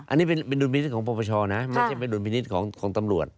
อันนี้เป็นดุลพินิษฐ์ของปปชนะไม่ใช่เป็นดุลพินิษฐ์ของตำรวจ